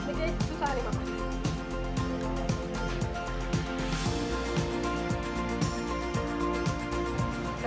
susah nih pak